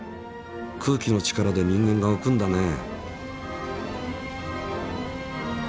空気の力で人間がうくんだね。